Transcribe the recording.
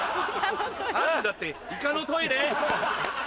あるんだってイカのトイレ！